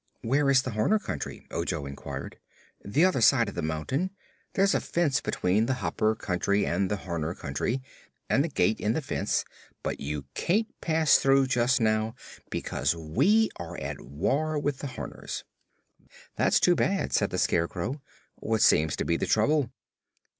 "Where is the Horner Country?" Ojo inquired. "The other side of the mountain. There's a fence between the Hopper Country and the Horner Country, and a gate in the fence; but you can't pass through just now, because we are at war with the Horners." "That's too bad," said the Scarecrow. "What seems to be the trouble?"